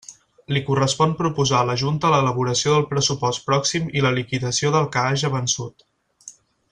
Li correspon proposar a la Junta l'elaboració del pressupost pròxim i la liquidació del que haja vençut.